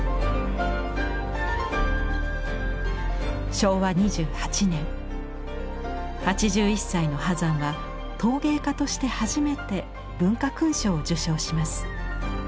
昭和２８年８１歳の波山は陶芸家として初めて文化勲章を受章します。